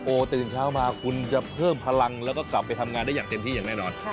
ตื่นเช้ามาคุณจะเพิ่มพลังแล้วก็กลับไปทำงานได้อย่างเต็มที่อย่างแน่นอน